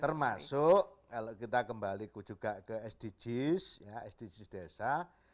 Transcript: termasuk kita kembali juga ke sdgs sdgs desa